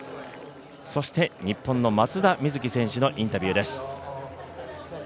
そして日本の松田瑞生選手のインタビューです。